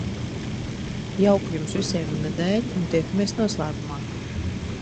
Jauku Jums visiem nedēļu un tiekamies noslēgumā!